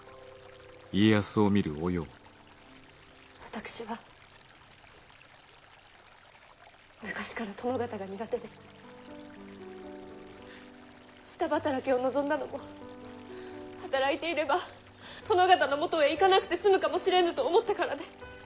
私は昔から殿方が苦手で下働きを望んだのも働いていれば殿方のもとへ行かなくて済むかもしれぬと思ったからで。